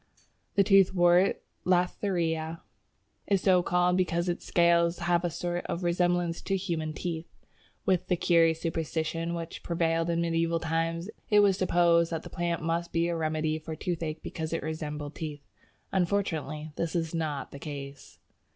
The Toothwort (Lathraea) is so called because its scales have a sort of resemblance to human teeth. With the curious superstition which prevailed in medieval times, it was supposed that the plant must be a remedy for toothache because it resembled teeth. Unfortunately this is not the case.